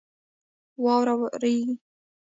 واوره رېږي.